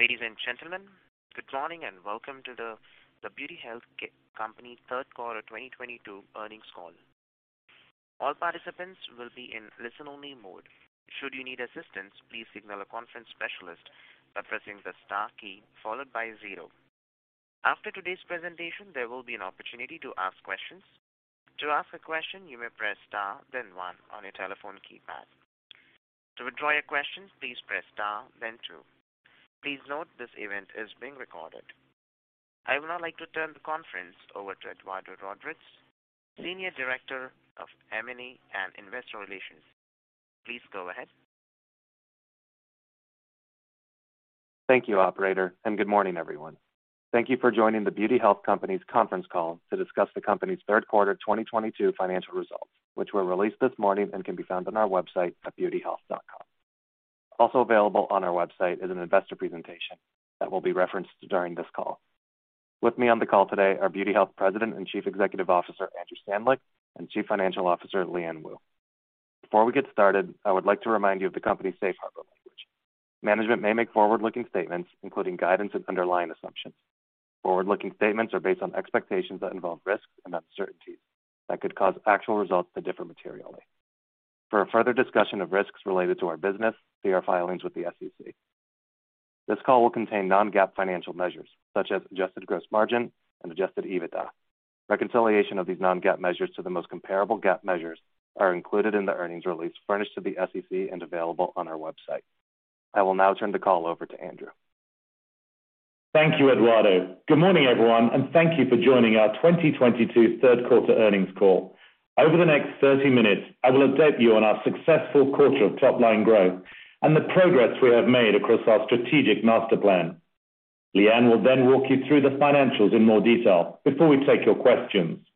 Ladies and gentlemen, good morning and welcome to The Beauty Health Company Third Quarter 2022 earnings call. All participants will be in listen-only mode. Should you need assistance, please signal a conference specialist by pressing the * key followed by 0. After today's presentation, there will be an opportunity to ask questions. To ask a question, you may press * then 1 on your telephone keypad. To withdraw your questions, please press * then 2. Please note this event is being recorded. I would now like to turn the conference over to Eduardo Rodriguez, Senior Director of M&A and Investor Relations. Please go ahead. Thank you operator, and good morning everyone. Thank you for joining the The Beauty Health Company's conference call to discuss the company's third quarter 2022 financial results, which were released this morning and can be found on our website at beautyhealth.com. Also available on our website is an investor presentation that will be referenced during this call. With me on the call today are The Beauty Health Company President and Chief Executive Officer, Andrew Stanleick, and Chief Financial Officer, Liyuan Woo. Before we get started, I would like to remind you of the company's Safe Harbor language. Management may make forward-looking statements including guidance and underlying assumptions. Forward-looking statements are based on expectations that involve risks and uncertainties that could cause actual results to differ materially. For a further discussion of risks related to our business, see our filings with the SEC. This call will contain non-GAAP financial measures such as adjusted gross margin and adjusted EBITDA. Reconciliation of these non-GAAP measures to the most comparable GAAP measures are included in the earnings release furnished to the SEC and available on our website. I will now turn the call over to Andrew. Thank you, Eduardo. Good morning everyone and thank you for joining our 2022 third quarter earnings call. Over the next 30 minutes I will update you on our successful quarter of top line growth and the progress we have made across our strategic master plan. Liyuan will then walk you through the financials in more detail before we take your questions.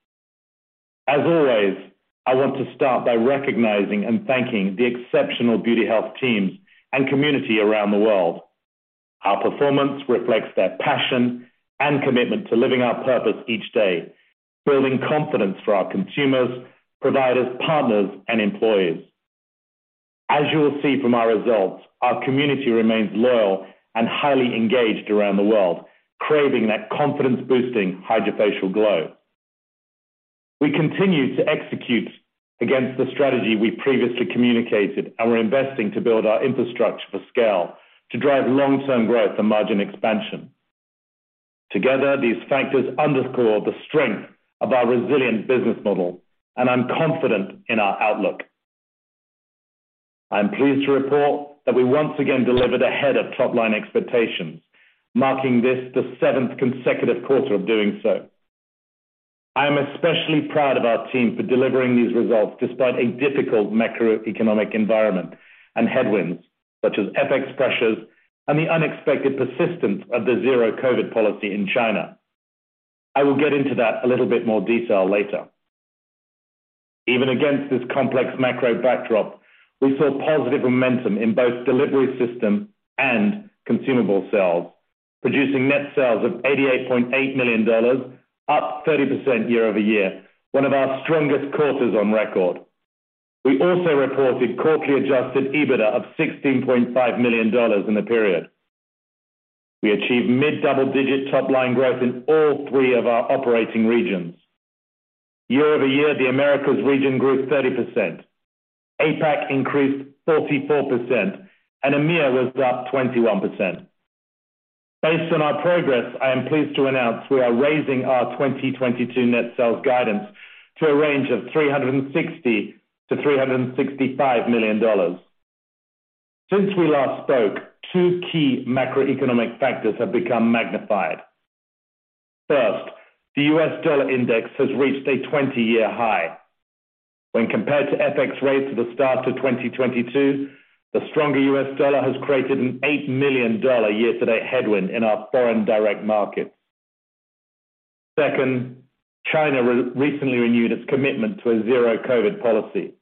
As always, I want to start by recognizing and thanking the exceptional Beauty Health teams and community around the world. Our performance reflects their passion and commitment to living our purpose each day, building confidence for our consumers, providers, partners, and employees. As you will see from our results, our community remains loyal and highly engaged around the world, craving that confidence-boosting HydraFacial glow. We continue to execute against the strategy we previously communicated, and we're investing to build our infrastructure for scale to drive long-term growth and margin expansion. Together, these factors underscore the strength of our resilient business model, and I'm confident in our outlook. I'm pleased to report that we once again delivered ahead of top line expectations, marking this the seventh consecutive quarter of doing so. I am especially proud of our team for delivering these results despite a difficult macroeconomic environment and headwinds such as FX pressures and the unexpected persistence of the zero COVID policy in China. I will get into that a little bit more detail later. Even against this complex macro backdrop, we saw positive momentum in both delivery system and consumable sales, producing net sales of $88.8 million, up 30% year-over-year, one of our strongest quarters on record. We also reported quarterly adjusted EBITDA of $16.5 million in the period. We achieved mid-double digit top line growth in all three of our operating regions. Year over year, the Americas region grew 30%. APAC increased 44%, and EMEA was up 21%. Based on our progress, I am pleased to announce we are raising our 2022 net sales guidance to a range of $360 million-$365 million. Since we last spoke, two key macroeconomic factors have become magnified. First, the US dollar index has reached a 20-year high. When compared to FX rates at the start of 2022, the stronger US dollar has created an $8 million year to date headwind in our foreign direct markets. Second, China recently renewed its commitment to a zero COVID policy.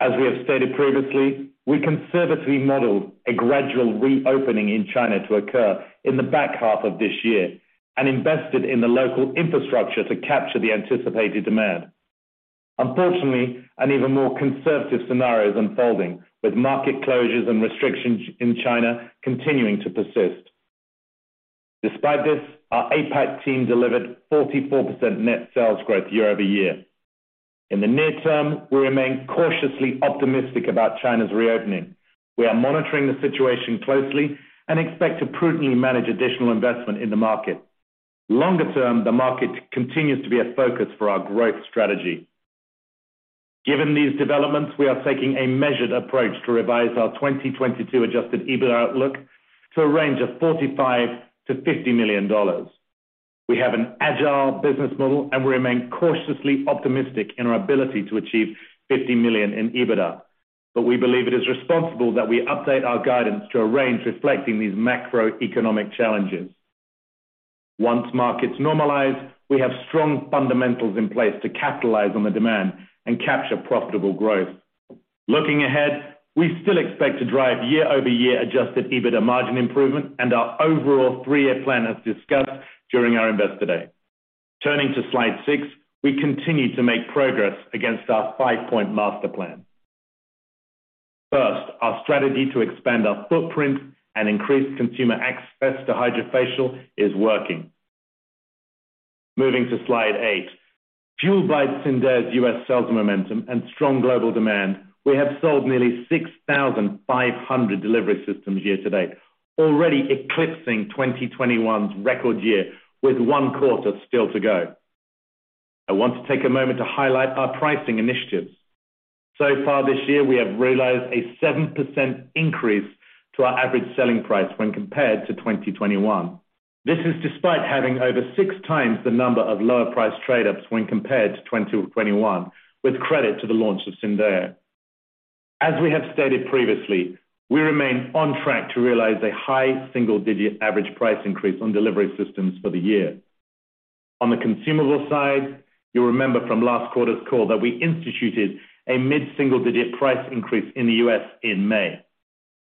As we have stated previously, we conservatively modeled a gradual reopening in China to occur in the back half of this year and invested in the local infrastructure to capture the anticipated demand. Unfortunately, an even more conservative scenario is unfolding, with market closures and restrictions in China continuing to persist. Despite this, our APAC team delivered 44% net sales growth year-over-year. In the near term, we remain cautiously optimistic about China's reopening. We are monitoring the situation closely and expect to prudently manage additional investment in the market. Longer term, the market continues to be a focus for our growth strategy. Given these developments, we are taking a measured approach to revise our 2022 adjusted EBITDA outlook to a range of $45 million-$50 million. We have an agile business model and we remain cautiously optimistic in our ability to achieve $50 million in EBITDA. We believe it is responsible that we update our guidance to a range reflecting these macroeconomic challenges. Once markets normalize, we have strong fundamentals in place to capitalize on the demand and capture profitable growth. Looking ahead, we still expect to drive year-over-year adjusted EBITDA margin improvement and our overall three-year plan as discussed during our Investor Day. Turning to slide six, we continue to make progress against our five-point master plan. First, our strategy to expand our footprint and increase consumer access to HydraFacial is working. Moving to slide eight. Fueled by Syndeo's U.S. sales momentum and strong global demand, we have sold nearly 6,500 delivery systems year-to-date, already eclipsing 2021's record year with one quarter still to go. I want to take a moment to highlight our pricing initiatives. So far this year, we have realized a 7% increase to our average selling price when compared to 2021. This is despite having over 6 times the number of lower price trade-ups when compared to 2021, with credit to the launch of Syndeo. As we have stated previously, we remain on track to realize a high single-digit average price increase on delivery systems for the year. On the consumable side, you'll remember from last quarter's call that we instituted a mid-single-digit price increase in the U.S. in May.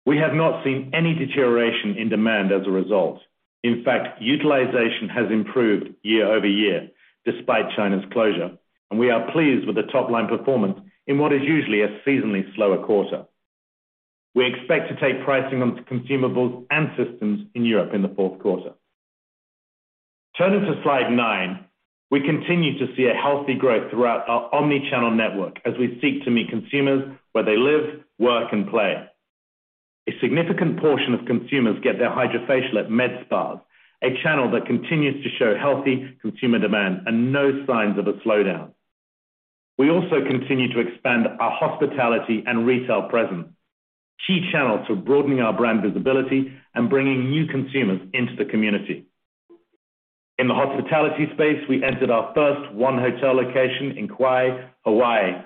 We have not seen any deterioration in demand as a result. In fact, utilization has improved year over year despite China's closure, and we are pleased with the top-line performance in what is usually a seasonally slower quarter. We expect to take pricing on consumables and systems in Europe in the fourth quarter. Turning to slide nine, we continue to see a healthy growth throughout our omni-channel network as we seek to meet consumers where they live, work, and play. A significant portion of consumers get their HydraFacial at med spas, a channel that continues to show healthy consumer demand and no signs of a slowdown. We also continue to expand our hospitality and retail presence, key channels for broadening our brand visibility and bringing new consumers into the community. In the hospitality space, we entered our first 1 Hotel location in Kauai, Hawaii.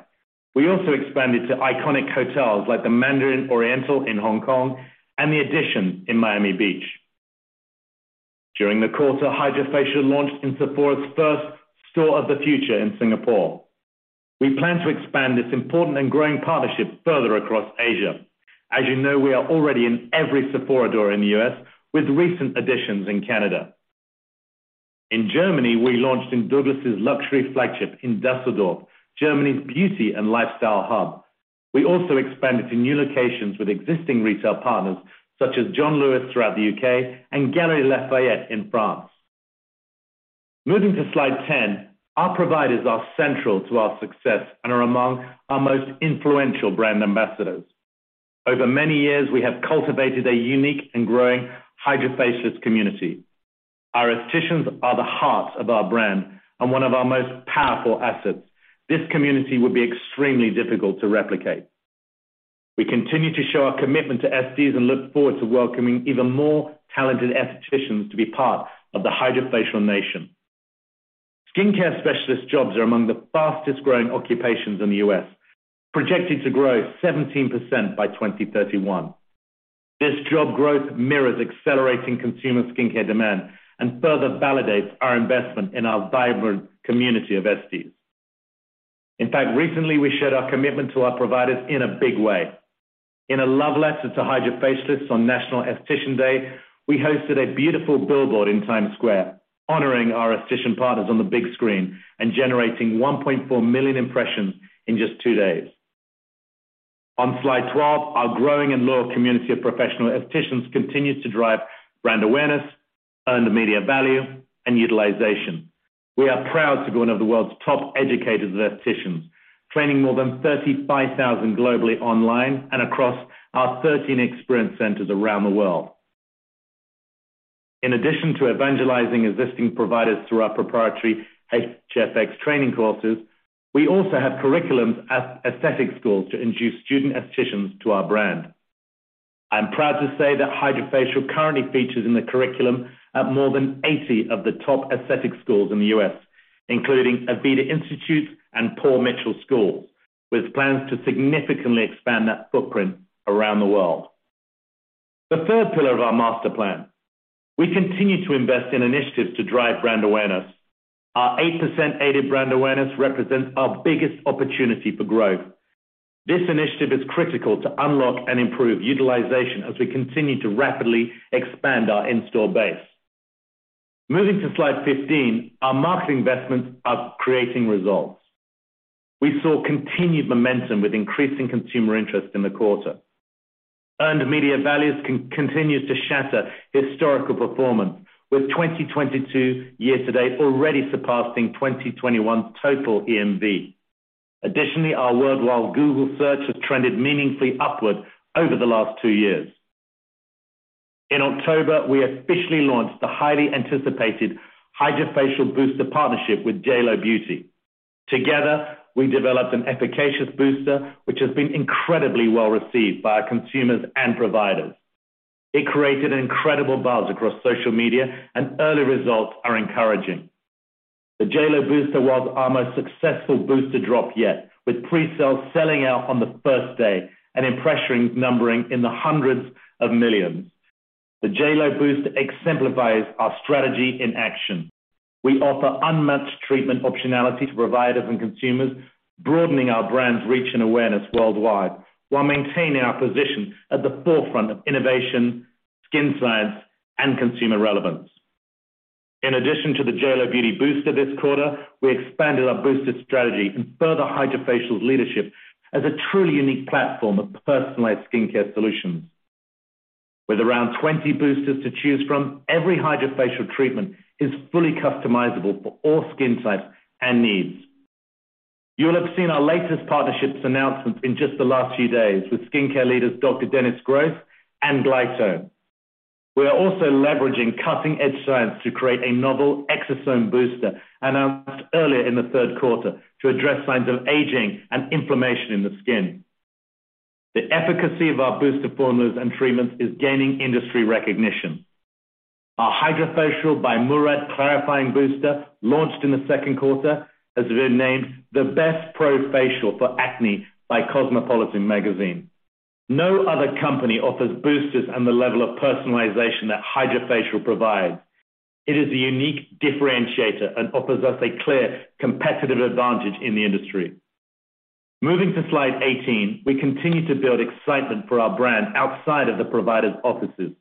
We also expanded to iconic hotels like the Mandarin Oriental in Hong Kong and the EDITION in Miami Beach. During the quarter, HydraFacial launched in Sephora's first Store of the Future in Singapore. We plan to expand this important and growing partnership further across Asia. As you know, we are already in every Sephora door in the U.S. with recent additions in Canada. In Germany, we launched in Douglas' luxury flagship in Düsseldorf, Germany's beauty and lifestyle hub. We also expanded to new locations with existing retail partners such as John Lewis throughout the U.K. and Galeries Lafayette in France. Moving to slide 10. Our providers are central to our success and are among our most influential brand ambassadors. Over many years, we have cultivated a unique and growing HydraFacial community. Our aestheticians are the heart of our brand and one of our most powerful assets. This community would be extremely difficult to replicate. We continue to show our commitment to esthetics and look forward to welcoming even more talented aestheticians to be part of the HydraFacial nation. Skincare specialist jobs are among the fastest-growing occupations in the US, projected to grow 17% by 2031. This job growth mirrors accelerating consumer skincare demand and further validates our investment in our vibrant community of estheticians. In fact, recently, we showed our commitment to our providers in a big way. In a love letter to HydraFacialists on National Esthetician Day, we hosted a beautiful billboard in Times Square, honoring our esthetician partners on the big screen and generating 1.4 million impressions in just 2 days. On slide 12, our growing and loyal community of professional estheticians continues to drive brand awareness, earned media value, and utilization. We are proud to be one of the world's top educators of estheticians, training more than 35,000 globally online and across our 13 experience centers around the world. In addition to evangelizing existing providers through our proprietary HFX training courses, we also have curriculums at aesthetic schools to introduce student aestheticians to our brand. I'm proud to say that HydraFacial currently features in the curriculum at more than 80 of the top aesthetic schools in the U.S., including Aveda Institute and Paul Mitchell Schools, with plans to significantly expand that footprint around the world. The third pillar of our master plan, we continue to invest in initiatives to drive brand awareness. Our 8% aided brand awareness represents our biggest opportunity for growth. This initiative is critical to unlock and improve utilization as we continue to rapidly expand our installed base. Moving to slide 15, our marketing investments are creating results. We saw continued momentum with increasing consumer interest in the quarter. Earned media values continues to shatter historical performance, with 2022 year to date already surpassing 2021 total EMV. Additionally, our worldwide Google search has trended meaningfully upward over the last two years. In October, we officially launched the highly anticipated HydraFacial Booster partnership with JLo Beauty. Together, we developed an efficacious booster, which has been incredibly well-received by our consumers and providers. It created an incredible buzz across social media, and early results are encouraging. The JLo booster was our most successful booster drop yet, with pre-sales selling out on the first day and impressions numbering in the hundreds of millions. The JLo booster exemplifies our strategy in action. We offer unmatched treatment optionality to providers and consumers, broadening our brand's reach and awareness worldwide while maintaining our position at the forefront of innovation, skin science, and consumer relevance. In addition to the JLo Beauty booster this quarter, we expanded our booster strategy and further HydraFacial's leadership as a truly unique platform of personalized skincare solutions. With around 20 boosters to choose from, every HydraFacial treatment is fully customizable for all skin types and needs. You'll have seen our latest partnerships announcements in just the last few days with skincare leaders, Dr. Dennis Gross and Glytone. We are also leveraging cutting-edge science to create a novel exosome booster announced earlier in the third quarter to address signs of aging and inflammation in the skin. The efficacy of our booster formulas and treatments is gaining industry recognition. Our HydraFacial by Murad Clarifying Booster, launched in the second quarter, has been named the Best Pro Facial for Acne by Cosmopolitan magazine. No other company offers boosters and the level of personalization that HydraFacial provides. It is a unique differentiator and offers us a clear competitive advantage in the industry. Moving to slide 18, we continue to build excitement for our brand outside of the provider's offices.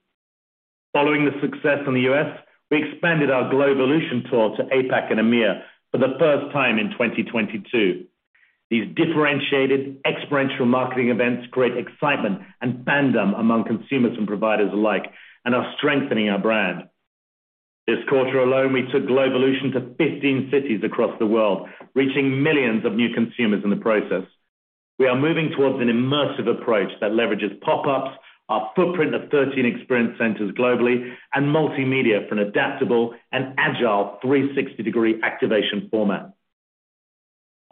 Following the success in the US, we expanded our GLOWvolution tour to APAC and EMEA for the first time in 2022. These differentiated experiential marketing events create excitement and fandom among consumers and providers alike, and are strengthening our brand. This quarter alone, we took GLOWvolution to 15 cities across the world, reaching millions of new consumers in the process. We are moving towards an immersive approach that leverages pop-ups, our footprint of 13 experience centers globally, and multimedia for an adaptable and agile 360-degree activation format.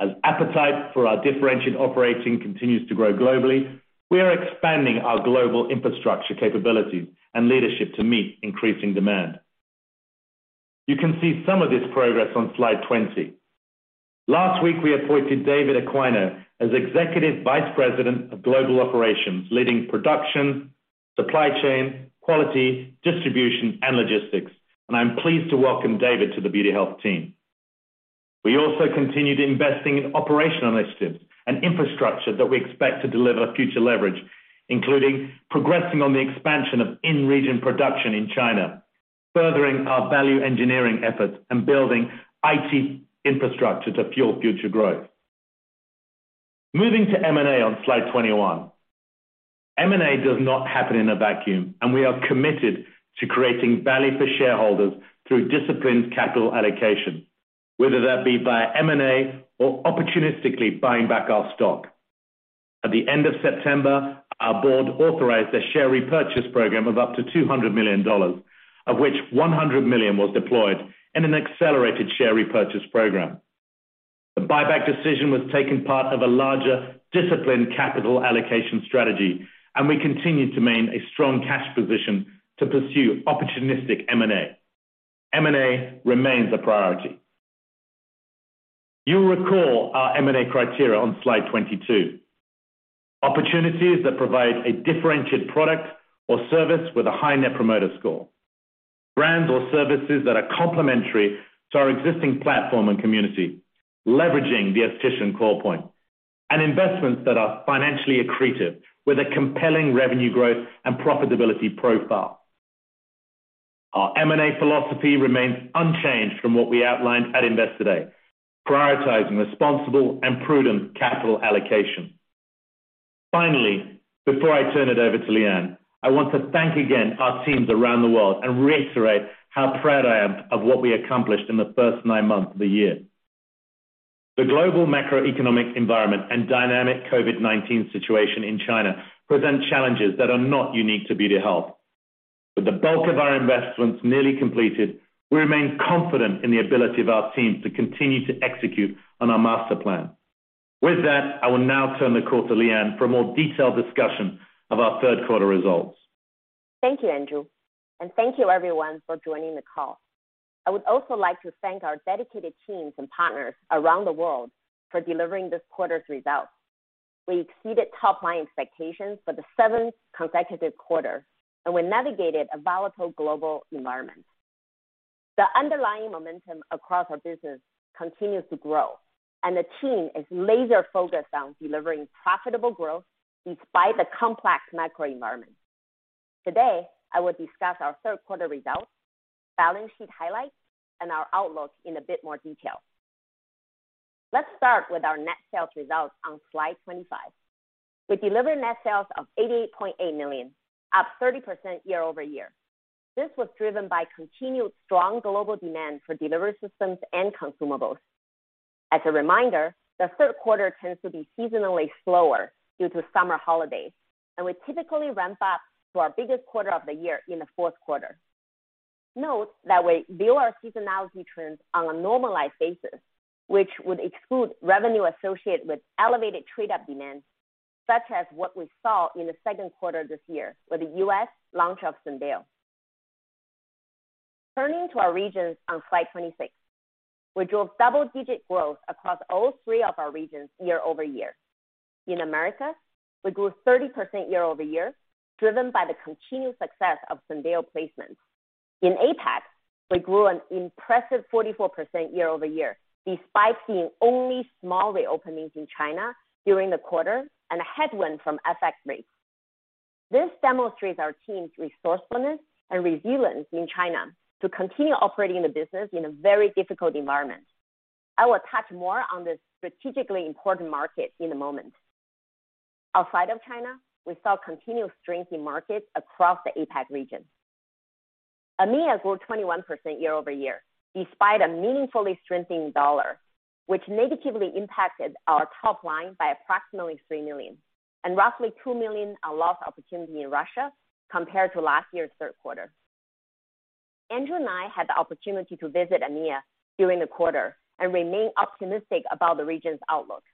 As appetite for our differentiated operating continues to grow globally, we are expanding our global infrastructure capabilities and leadership to meet increasing demand. You can see some of this progress on slide 20. Last week, we appointed David Aquino as Executive Vice President of Global Operations, leading production, supply chain, quality, distribution, and logistics. I'm pleased to welcome David to the Beauty Health team. We also continued investing in operational initiatives and infrastructure that we expect to deliver future leverage, including progressing on the expansion of in-region production in China, furthering our value engineering efforts, and building IT infrastructure to fuel future growth. Moving to M&A on slide 21. M&A does not happen in a vacuum, and we are committed to creating value for shareholders through disciplined capital allocation, whether that be via M&A or opportunistically buying back our stock. At the end of September, our board authorized a share repurchase program of up to $200 million, of which $100 million was deployed in an accelerated share repurchase program. The buyback decision was taken part of a larger disciplined capital allocation strategy, and we continue to maintain a strong cash position to pursue opportunistic M&A. M&A remains a priority. You'll recall our M&A criteria on slide 22. Opportunities that provide a differentiated product or service with a high net promoter score. Brands or services that are complementary to our existing platform and community, leveraging the esthetician call point, and investments that are financially accretive with a compelling revenue growth and profitability profile. Our M&A philosophy remains unchanged from what we outlined at Investor Day, prioritizing responsible and prudent capital allocation. Finally, before I turn it over to Lian, I want to thank again our teams around the world and reiterate how proud I am of what we accomplished in the first nine months of the year. The global macroeconomic environment and dynamic COVID-19 situation in China present challenges that are not unique to Beauty Health. With the bulk of our investments nearly completed, we remain confident in the ability of our teams to continue to execute on our master plan. With that, I will now turn the call to Lian for a more detailed discussion of our third quarter results. Thank you, Andrew, and thank you everyone for joining the call. I would also like to thank our dedicated teams and partners around the world for delivering this quarter's results. We exceeded top line expectations for the seventh consecutive quarter, and we navigated a volatile global environment. The underlying momentum across our business continues to grow, and the team is laser focused on delivering profitable growth despite the complex macro environment. Today, I will discuss our third quarter results, balance sheet highlights, and our outlook in a bit more detail. Let's start with our net sales results on slide 25. We delivered net sales of $88.8 million, up 30% year-over-year. This was driven by continued strong global demand for delivery systems and consumables. As a reminder, the third quarter tends to be seasonally slower due to summer holidays, and we typically ramp up to our biggest quarter of the year in the fourth quarter. Note that we view our seasonality trends on a normalized basis, which would exclude revenue associated with elevated trade-up demand, such as what we saw in the second quarter this year with the US launch of Syndeo. Turning to our regions on slide 26. We drove double-digit growth across all three of our regions year-over-year. In America, we grew 30% year-over-year, driven by the continued success of Syndeo placements. In APAC, we grew an impressive 44% year-over-year, despite seeing only small reopenings in China during the quarter and a headwind from FX rates. This demonstrates our team's resourcefulness and resilience in China to continue operating the business in a very difficult environment. I will touch more on this strategically important market in a moment. Outside of China, we saw continued strength in markets across the APAC region. EMEA grew 21% year-over-year despite a meaningfully strengthening dollar, which negatively impacted our top line by approximately $3 million, and roughly $2 million are lost opportunity in Russia compared to last year's third quarter. Andrew and I had the opportunity to visit EMEA during the quarter and remain optimistic about the region's outlook.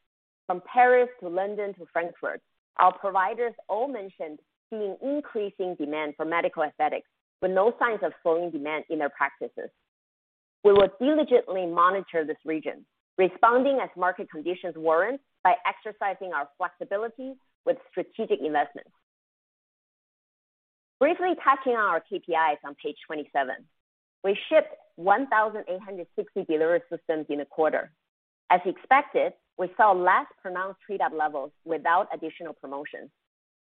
From Paris to London to Frankfurt, our providers all mentioned seeing increasing demand for medical aesthetics with no signs of slowing demand in their practices. We will diligently monitor this region, responding as market conditions warrant by exercising our flexibility with strategic investments. Briefly touching on our KPIs on page 27. We shipped 1,860 delivery systems in the quarter. As expected, we saw less pronounced treat up levels without additional promotions,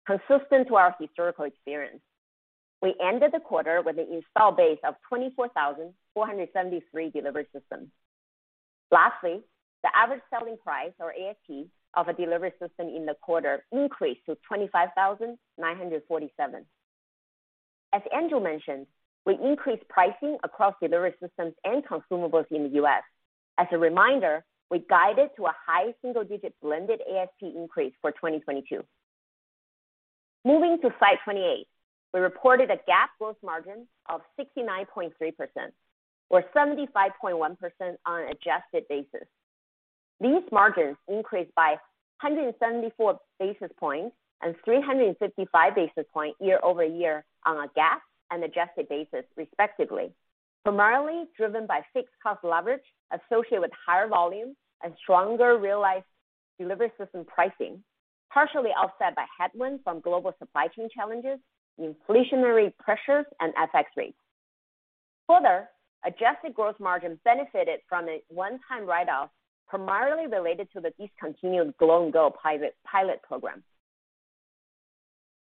consistent to our historical experience. We ended the quarter with an install base of 24,473 delivery systems. Lastly, the average selling price, or ASP, of a delivery system in the quarter increased to $25,947. As Andrew mentioned, we increased pricing across delivery systems and consumables in the U.S. As a reminder, we guided to a high single-digit blended ASP increase for 2022. Moving to slide 28. We reported a GAAP gross margin of 69.3% or 75.1% on an adjusted basis. These margins increased by 174 basis points and 355 basis points year-over-year on a GAAP and adjusted basis, respectively. Primarily driven by fixed cost leverage associated with higher volumes and stronger realized delivery system pricing, partially offset by headwinds from global supply chain challenges, inflationary pressures, and FX rates. Further, adjusted gross margins benefited from a one-time write-off primarily related to the discontinued Glow & Go private pilot program.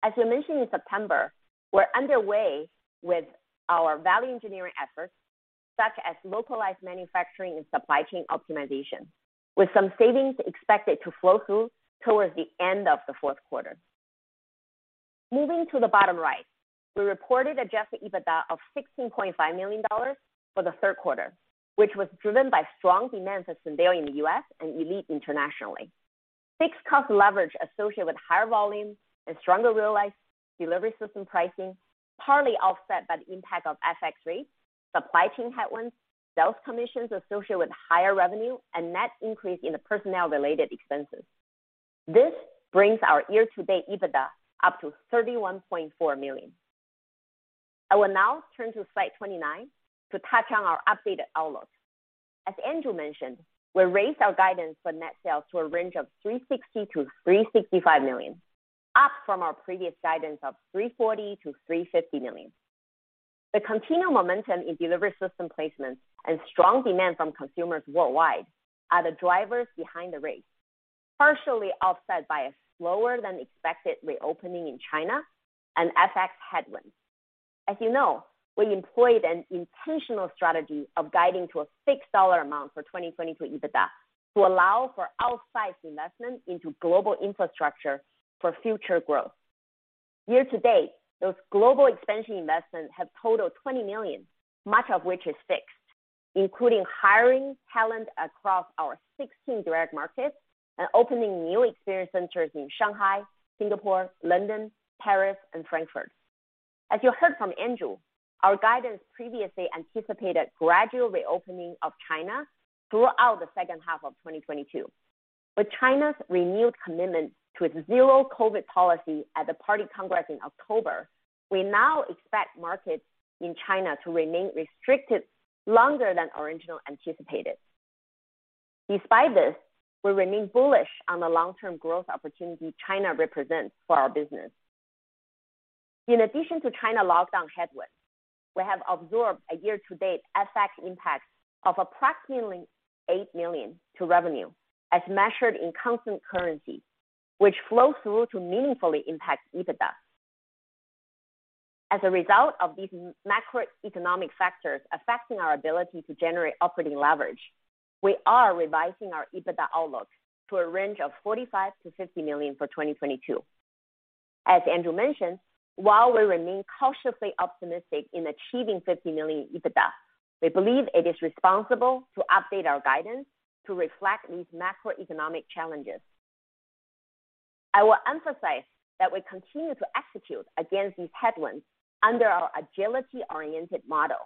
As we mentioned in September, we're underway with our value engineering efforts such as localized manufacturing and supply chain optimization, with some savings expected to flow through towards the end of the fourth quarter. Moving to the bottom right. We reported adjusted EBITDA of $16.5 million for the third quarter, which was driven by strong demand for Syndeo in the U.S. and Elite internationally. Fixed cost leverage associated with higher volumes and stronger realized delivery system pricing, partly offset by the impact of FX rates, supply chain headwinds, sales commissions associated with higher revenue, and net increase in the personnel-related expenses. This brings our year-to-date EBITDA up to $31.4 million. I will now turn to slide 29 to touch on our updated outlook. As Andrew mentioned, we raised our guidance for net sales to a range of $360 million-$365 million, up from our previous guidance of $340 million-$350 million. The continued momentum in delivery system placements and strong demand from consumers worldwide are the drivers behind the raise, partially offset by a slower than expected reopening in China and FX headwinds. As you know, we employed an intentional strategy of guiding to a fixed dollar amount for 2022 EBITDA to allow for outsized investment into global infrastructure for future growth. Year to date, those global expansion investments have totaled $20 million, much of which is fixed, including hiring talent across our 16 direct markets and opening new experience centers in Shanghai, Singapore, London, Paris, and Frankfurt. As you heard from Andrew, our guidance previously anticipated gradual reopening of China throughout the second half of 2022. With China's renewed commitment to its zero COVID policy at the Party Congress in October, we now expect markets in China to remain restricted longer than originally anticipated. Despite this, we remain bullish on the long-term growth opportunity China represents for our business. In addition to China lockdown headwinds, we have absorbed a year-to-date FX impact of approximately $8 million to revenue as measured in constant currency, which flow through to meaningfully impact EBITDA. As a result of these macroeconomic factors affecting our ability to generate operating leverage, we are revising our EBITDA outlook to a range of $45 million-$50 million for 2022. As Andrew mentioned, while we remain cautiously optimistic in achieving $50 million EBITDA, we believe it is responsible to update our guidance to reflect these macroeconomic challenges. I will emphasize that we continue to execute against these headwinds under our agility-oriented model.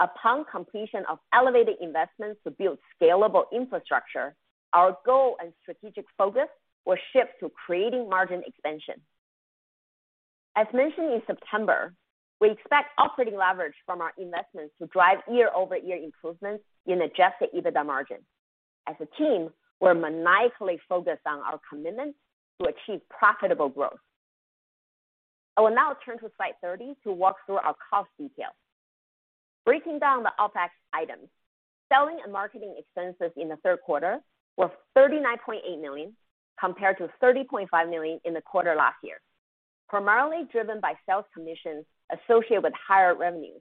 Upon completion of elevated investments to build scalable infrastructure, our goal and strategic focus will shift to creating margin expansion. As mentioned in September, we expect operating leverage from our investments to drive year-over-year improvements in adjusted EBITDA margins. As a team, we're maniacally focused on our commitment to achieve profitable growth. I will now turn to slide 30 to walk through our cost details. Breaking down the OpEx items. Selling and marketing expenses in the third quarter were $39.8 million, compared to $30.5 million in the quarter last year, primarily driven by sales commissions associated with higher revenues,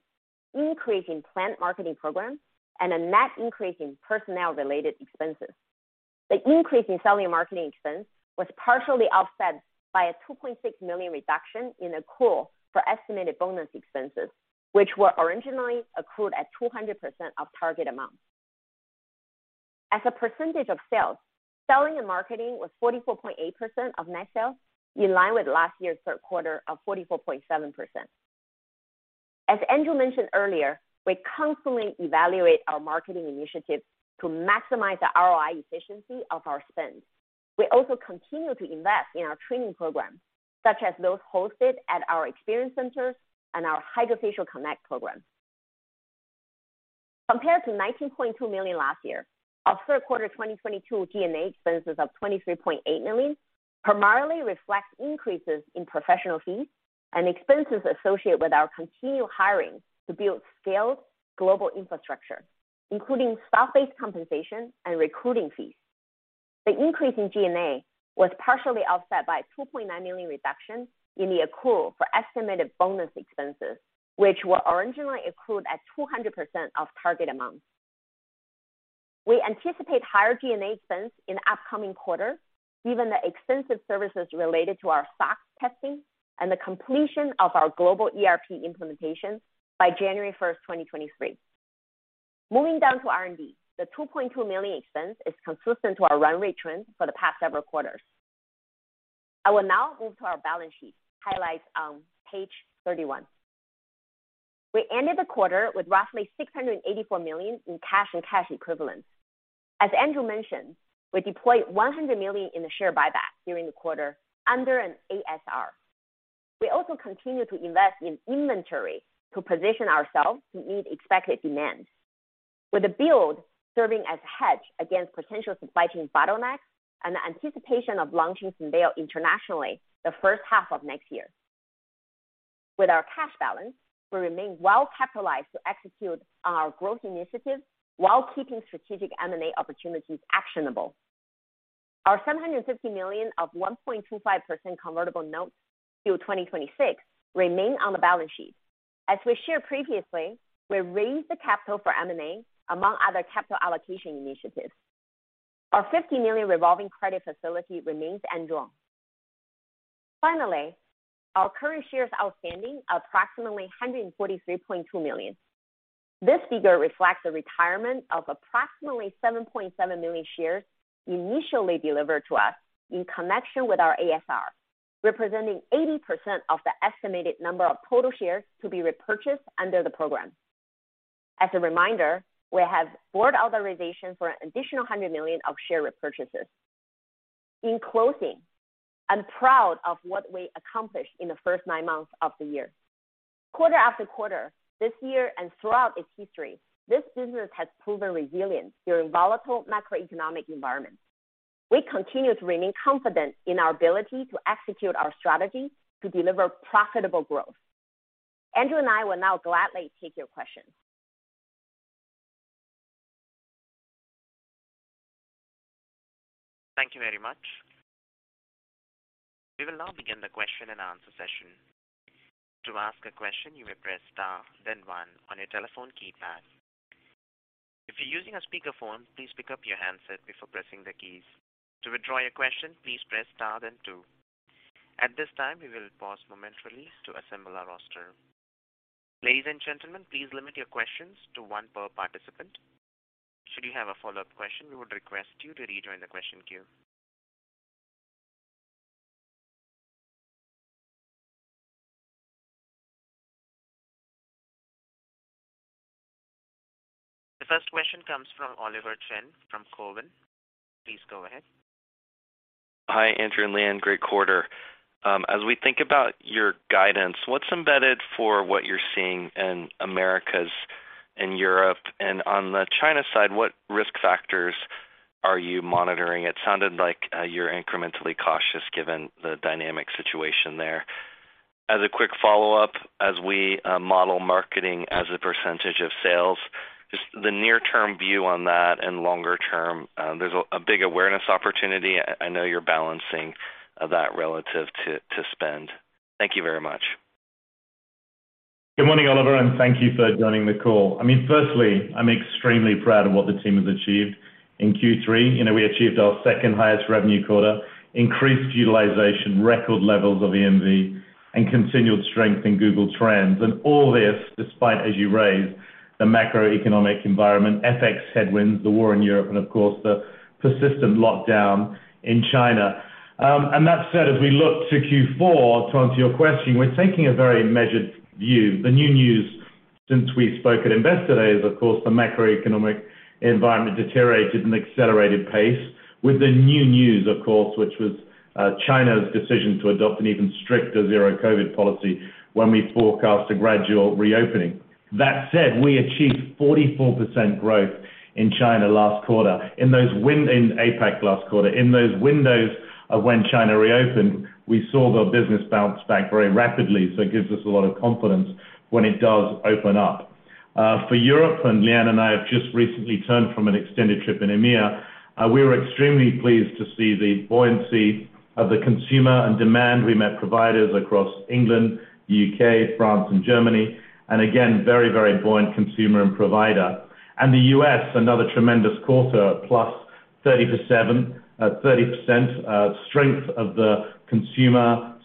increase in planned marketing programs, and a net increase in personnel-related expenses. The increase in selling and marketing expense was partially offset by a $2.6 million reduction in accrual for estimated bonus expenses, which were originally accrued at 200% of target amounts. As a percentage of sales, selling and marketing was 44.8% of net sales, in line with last year's third quarter of 44.7%. As Andrew mentioned earlier, we constantly evaluate our marketing initiatives to maximize the ROI efficiency of our spend. We also continue to invest in our training programs, such as those hosted at our experience centers and our HydraFacial CONNECT program. Compared to $19.2 million last year, our third quarter 2022 G&A expenses of $23.8 million primarily reflects increases in professional fees and expenses associated with our continued hiring to build scaled global infrastructure, including stock-based compensation and recruiting fees. The increase in G&A was partially offset by a $2.9 million reduction in the accrual for estimated bonus expenses, which were originally accrued at 200% of target amounts. We anticipate higher G&A expense in upcoming quarters, given the extensive services related to our SOX testing and the completion of our global ERP implementation by January 1, 2023. Moving down to R&D, the $2.2 million expense is consistent to our run rate trends for the past several quarters. I will now move to our balance sheet, highlights on page 31. We ended the quarter with roughly $684 million in cash and cash equivalents. As Andrew mentioned, we deployed $100 million in the share buyback during the quarter under an ASR. We also continue to invest in inventory to position ourselves to meet expected demands. With the build serving as a hedge against potential supply chain bottlenecks and the anticipation of launching Syndeo internationally the first half of next year. With our cash balance, we remain well-capitalized to execute on our growth initiatives while keeping strategic M&A opportunities actionable. Our $750 million of 1.25% convertible notes due 2026 remain on the balance sheet. As we shared previously, we raised the capital for M&A, among other capital allocation initiatives. Our $50 million revolving credit facility remains undrawn. Finally, our current shares outstanding are approximately 143.2 million. This figure reflects the retirement of approximately 7.7 million shares initially delivered to us in connection with our ASR, representing 80% of the estimated number of total shares to be repurchased under the program. As a reminder, we have board authorization for an additional $100 million of share repurchases. In closing, I'm proud of what we accomplished in the first nine months of the year. Quarter after quarter, this year and throughout its history, this business has proven resilient during volatile macroeconomic environments. We continue to remain confident in our ability to execute our strategy to deliver profitable growth. Andrew and I will now gladly take your questions. Thank you very much. We will now begin the question and answer session. To ask a question, you may press Star, then one on your telephone keypad. If you're using a speakerphone, please pick up your handset before pressing the keys. To withdraw your question, please press Star then two. At this time, we will pause momentarily to assemble our roster. Ladies and gentlemen, please limit your questions to one per participant. Should you have a follow-up question, we would request you to rejoin the question queue. The first question comes from Oliver Chen from Cowen. Please go ahead. Hi, Andrew and Liyuan. Great quarter. As we think about your guidance, what's embedded for what you're seeing in Americas and Europe? On the China side, what risk factors are you monitoring? It sounded like you're incrementally cautious given the dynamic situation there. As a quick follow-up, as we model marketing as a percentage of sales, just the near-term view on that and longer term, there's a big awareness opportunity. I know you're balancing that relative to spend. Thank you very much. Good morning, Oliver, and thank you for joining the call. I mean, firstly, I'm extremely proud of what the team has achieved in Q3. You know, we achieved our second-highest revenue quarter, increased utilization, record levels of EMV and continued strength in Google Trends. All this despite, as you raised, the macroeconomic environment, FX headwinds, the war in Europe, and of course, the persistent lockdown in China. That said, as we look to Q4, to answer your question, we're taking a very measured view. The new news since we spoke at Investor Day is, of course, the macroeconomic environment deteriorated at an accelerated pace with the new news, of course, which was, China's decision to adopt an even stricter zero-COVID policy when we forecast a gradual reopening. That said, we achieved 44% growth in China last quarter in APAC last quarter. In those windows of when China reopened, we saw their business bounce back very rapidly, so it gives us a lot of confidence when it does open up. For Europe, Liyuan and I have just recently returned from an extended trip in EMEA, we were extremely pleased to see the buoyancy of the consumer and demand. We met providers across England, UK, France and Germany, and again, very buoyant consumer and provider. The US, another tremendous quarter, +37, 30%, strength of the consumer,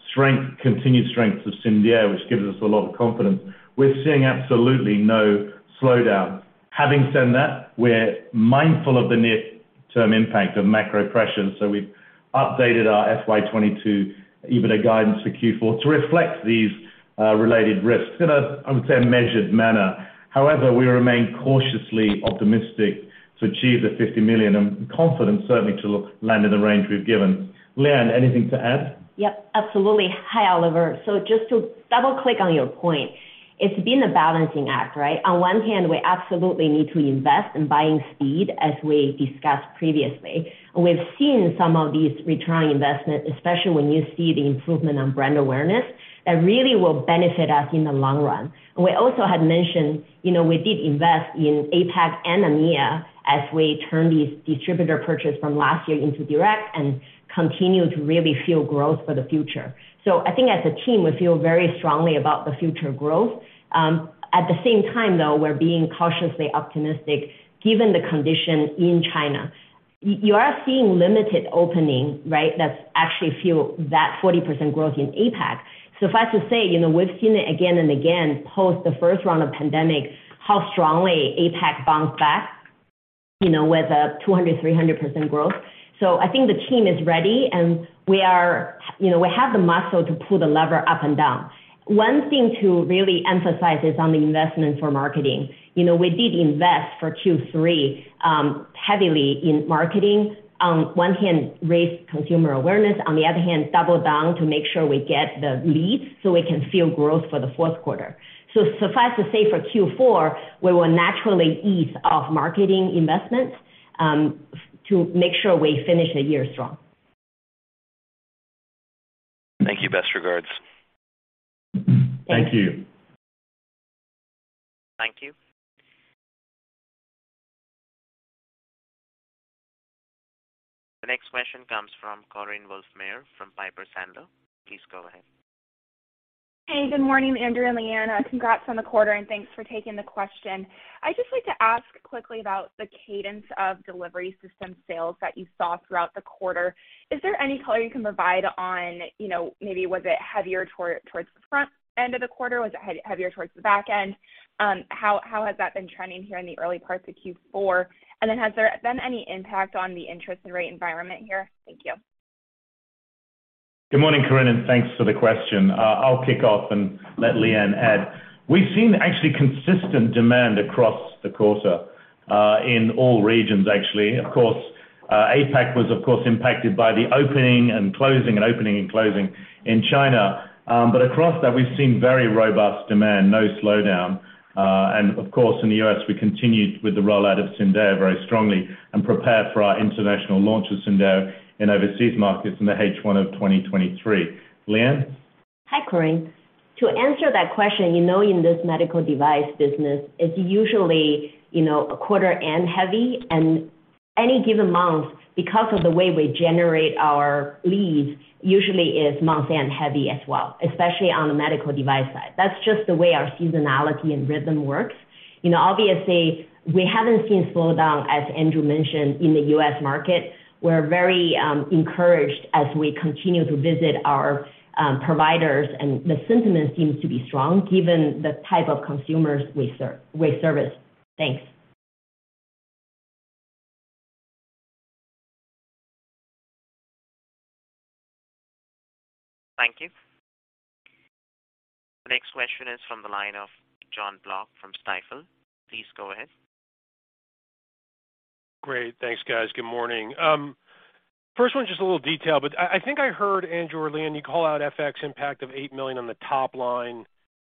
continued strength of Syndeo, which gives us a lot of confidence. We're seeing absolutely no slowdown. Having said that, we're mindful of the near-term impact of macro pressures. We've updated our FY 2022 EBITDA guidance for Q4 to reflect these related risks in a, I would say, measured manner. However, we remain cautiously optimistic to achieve the $50 million, and confident certainly to land in the range we've given. Liyuan, anything to add? Yep, absolutely. Hi, Oliver. Just to double-click on your point, it's been a balancing act, right? On one hand, we absolutely need to invest in buying speed, as we discussed previously. We've seen some of these return on investment, especially when you see the improvement on brand awareness, that really will benefit us in the long run. We also had mentioned, you know, we did invest in APAC and EMEA as we turn these distributor purchase from last year into direct and continue to really fuel growth for the future. I think as a team, we feel very strongly about the future growth. At the same time, though, we're being cautiously optimistic given the condition in China. You are seeing limited opening, right? That's actually fuel that 40% growth in APAC. Suffice to say, you know, we've seen it again and again post the first round of pandemic, how strongly APAC bounced back, you know, with a 200%-300% growth. I think the team is ready and we are, you know, we have the muscle to pull the lever up and down. One thing to really emphasize is on the investment for marketing. You know, we did invest for Q3 heavily in marketing. On one hand, raise consumer awareness, on the other hand, double down to make sure we get the leads so we can fuel growth for the fourth quarter. Suffice to say for Q4, we will naturally ease off marketing investments to make sure we finish the year strong. Thank you. Best regards. Thank you. Thank you. The next question comes from Korinne Wolfmeyer from Piper Sandler. Please go ahead. Hey, good morning, Andrew and Liane. Congrats on the quarter, and thanks for taking the question. I'd just like to ask quickly about the cadence of delivery system sales that you saw throughout the quarter. Is there any color you can provide on, you know, maybe was it heavier toward, towards the front end of the quarter? Was it heavier towards the back end? How has that been trending here in the early parts of Q4? Has there been any impact on the interest rate environment here? Thank you. Good morning, Corinne, and thanks for the question. I'll kick off and let Liane add. We've seen actually consistent demand across the quarter in all regions, actually. Of course, APAC was, of course, impacted by the opening and closing and opening and closing in China. But across that, we've seen very robust demand, no slowdown. And of course, in the U.S., we continued with the rollout of Syndeo very strongly and prepared for our international launch of Syndeo in overseas markets in the H1 of 2023. Liane. Hi, Korinne. To answer that question, you know, in this medical device business, it's usually, you know, a quarter end heavy and any given month, because of the way we generate our leads usually is month end heavy as well, especially on the medical device side. That's just the way our seasonality and rhythm works. You know, obviously, we haven't seen slowdown, as Andrew mentioned, in the U.S. market. We're very encouraged as we continue to visit our providers, and the sentiment seems to be strong given the type of consumers we service. Thanks. Thank you. The next question is from the line of Jonathan Block from Stifel. Please go ahead. Great. Thanks, guys. Good morning. First one, just a little detail, but I think I heard Andrew or Liyuan, you call out FX impact of $8 million on the top line.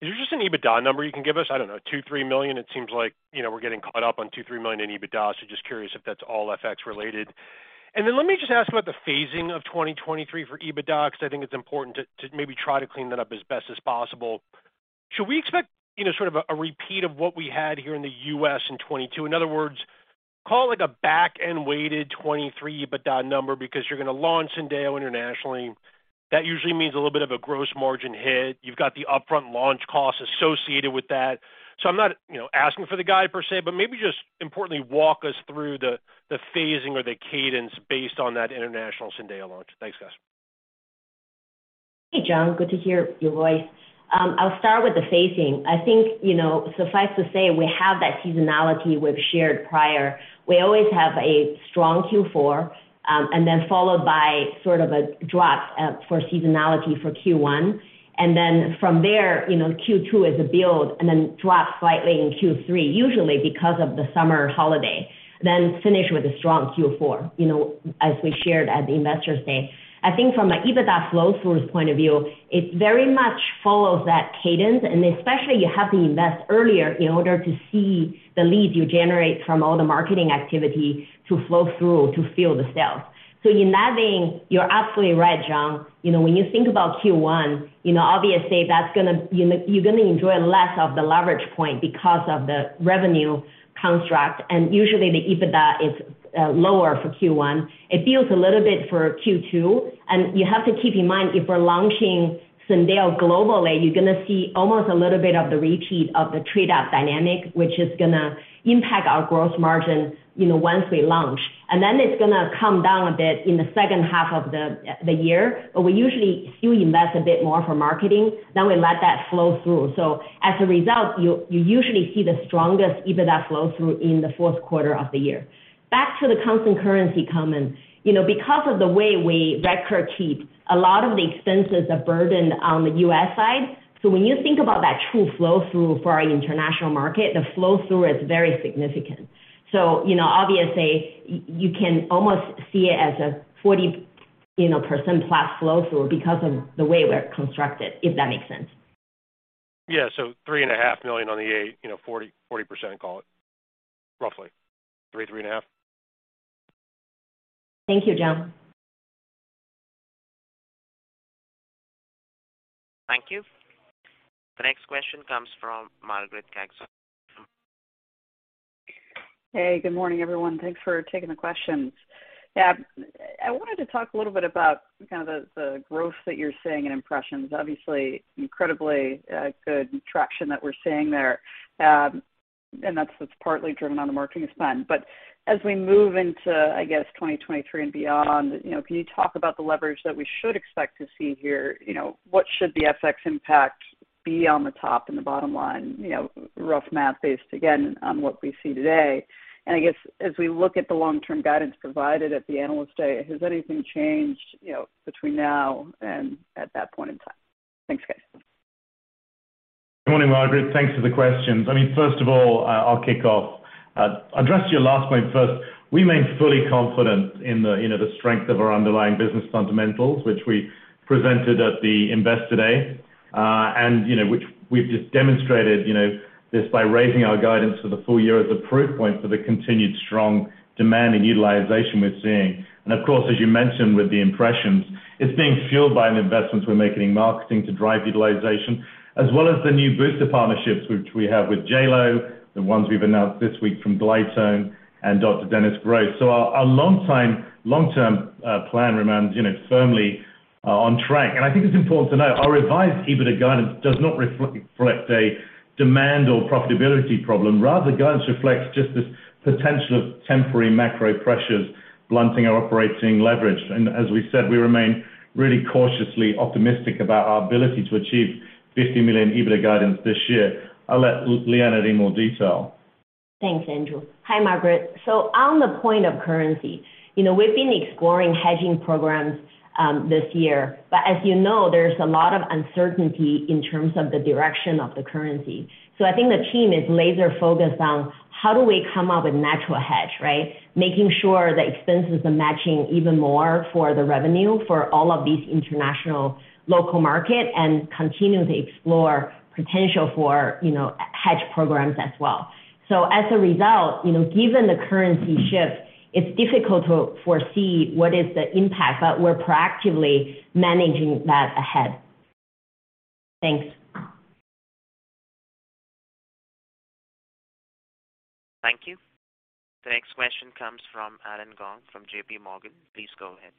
Is there just an EBITDA number you can give us? I don't know, $2-$3 million? It seems like, you know, we're getting caught up on $2-$3 million in EBITDA. Just curious if that's all FX related. Then let me just ask about the phasing of 2023 for EBITDA, because I think it's important to maybe try to clean that up as best as possible. Should we expect, you know, sort of a repeat of what we had here in the US in 2022? In other words, call it a back-end weighted 2023 EBITDA number because you're gonna launch Syndeo internationally. That usually means a little bit of a gross margin hit. You've got the upfront launch costs associated with that. I'm not, you know, asking for the guide per se, but maybe just importantly, walk us through the phasing or the cadence based on that international Syndeo launch. Thanks, guys. Hey, John, good to hear your voice. I'll start with the phasing. I think, you know, suffice to say, we have that seasonality we've shared prior. We always have a strong Q4, and then followed by sort of a drop for seasonality for Q1. From there, you know, Q2 is a build and then drops slightly in Q3, usually because of the summer holiday, then finish with a strong Q4, you know, as we shared at the Investor Day. I think from an EBITDA flow through point of view, it very much follows that cadence, and especially you have to invest earlier in order to see the leads you generate from all the marketing activity to flow through to fuel the sales. In that vein, you're absolutely right, John. You know, when you think about Q1, you know, obviously you're gonna enjoy less of the leverage point because of the revenue construct, and usually the EBITDA is lower for Q1. It builds a little bit for Q2, and you have to keep in mind, if we're launching Syndeo globally, you're gonna see almost a little bit of the repeat of the trade-up dynamic, which is gonna impact our gross margin, you know, once we launch. Then it's gonna come down a bit in the second half of the year. We usually still invest a bit more for marketing, then we let that flow through. As a result, you usually see the strongest EBITDA flow through in the fourth quarter of the year. Back to the constant currency comment. You know, because of the way we record fees, a lot of the expenses are burdened on the U.S. side. When you think about that true flow-through for our international market, the flow-through is very significant. You know, obviously, you can almost see it as a 40% plus flow-through because of the way we're constructed, if that makes sense. $3.5 million on the 8, you know, 40%, call it roughly 3-3.5. Thank you, John. Thank you. The next question comes from Margaret Kaczor Andrew from- Hey, good morning, everyone. Thanks for taking the questions. Yeah. I wanted to talk a little bit about kind of the growth that you're seeing in impressions. Obviously, incredibly good traction that we're seeing there. That's partly driven by the marketing spend. But as we move into, I guess, 2023 and beyond, you know, can you talk about the leverage that we should expect to see here? You know, what should the FX impact be on the top and the bottom line? You know, rough math, based again on what we see today. I guess as we look at the long-term guidance provided at the Analyst Day, has anything changed, you know, between now and at that point in time? Thanks, guys. Good morning, Margaret. Thanks for the questions. I mean, first of all, I'll kick off. Address your last point first. We remain fully confident in the, you know, the strength of our underlying business fundamentals, which we presented at the Investor Day, and, you know, which we've just demonstrated, you know, just by raising our guidance for the full year as a proof point for the continued strong demand and utilization we're seeing. Of course, as you mentioned with the impressions, it's being fueled by the investments we're making in marketing to drive utilization, as well as the new booster partnerships which we have with JLo, the ones we've announced this week from Glytone and Dr. Dennis Gross. Our long-term plan remains, you know, firmly on track. I think it's important to note, our revised EBITDA guidance does not reflect a demand or profitability problem. Rather, guidance reflects just this potential of temporary macro pressures blunting our operating leverage. As we said, we remain really cautiously optimistic about our ability to achieve $50 million EBITDA guidance this year. I'll let Liyuan add any more detail. Thanks, Andrew. Hi, Margaret. On the point of currency, you know, we've been exploring hedging programs this year, but as you know, there's a lot of uncertainty in terms of the direction of the currency. I think the team is laser-focused on how do we come up with natural hedge, right? Making sure the expenses are matching even more for the revenue for all of these international local market, and continue to explore potential for, you know, hedge programs as well. As a result, you know, given the currency shift, it's difficult to foresee what is the impact, but we're proactively managing that ahead. Thanks. Thank you. The next question comes from Allen Gong from J.P. Morgan. Please go ahead.